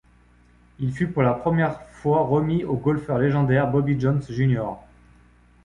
Il fut pour la première fois remis au golfeur légendaire Bobby Jones, Jr.